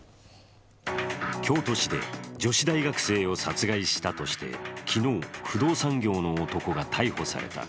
京都市で女子大学生を殺害したとして昨日、不動産業の男が逮捕された。